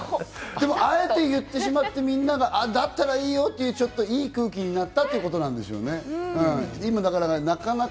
でも、あえて言ってしまって、みんながだったらいいよっていういい空気になったってことでしょうね。